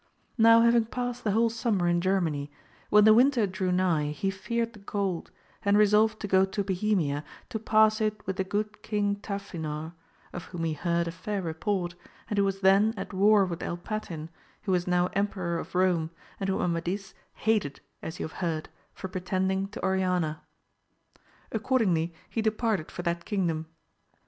Now having passed the whole summer in Germany, when the winter drew nigh he feared the cold, and resolved to go to Bohemia to pass it with the good King Tafinor, of whom he heard a fair report, and who was then at war with El Patin, who was now Emperor of Rome, and whom Amadis hated as you have heard; for pretending to Oriana. AMADIS OF GAUU 241 Accordingly he departed for that kingdom.